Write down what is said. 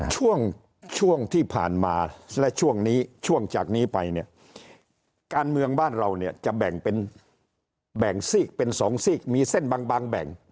ช่วงช่วงที่ผ่านมาและช่วงนี้ช่วงจากนี้ไปเนี่ยการเมืองบ้านเราเนี่ยจะแบ่งเป็นแบ่งซีกเป็นสองซีกมีเส้นบางแบ่ง